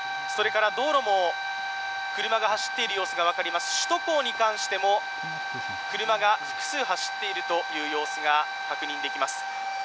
それから道路も車が走っている様子がわかります首都高に関しても、車が複数走っているという様子が確認できます。